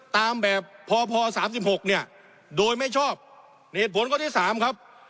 ตามแบบพพสามสิบหกเนี่ยโดยไม่ชอบเหตุผลข้อที่๓ครับ